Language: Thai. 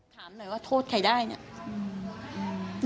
ถามหน่อยว่าโทษใครได้เนี่ย